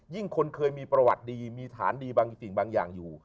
ยิ่งคนเคยมีประวัติดีมีฐานดีบางอย่างอยู่